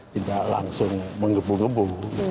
tidak langsung mengebu ngebu